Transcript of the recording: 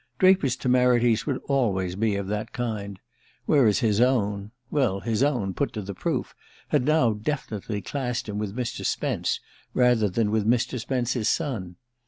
Draper's temerities would always be of that kind; whereas his own well, his own, put to the proof, had now definitely classed him with Mr. Spence rather than with Mr. Spence's son.